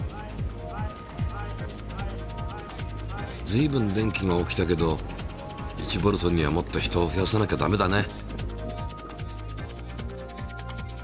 ずいぶん電気が起きたけど１Ｖにはもっと人を増やさなきゃだめだね。